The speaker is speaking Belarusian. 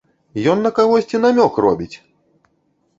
Ён на кагосьці намёк робіць!